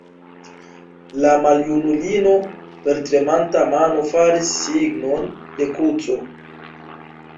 La maljunulino per tremanta mano faris signon de kruco.